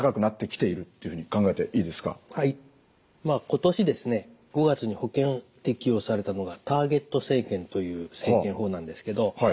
今年ですね５月に保険適用されたのがターゲット生検という生検法なんですけど